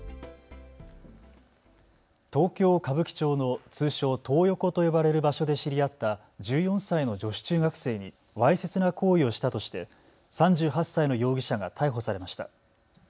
東京歌舞伎町の通称トー横と呼ばれる場所で知り合った１４歳の女子中学生にわいせつな行為をしたとして３８歳の容疑者が逮捕されました。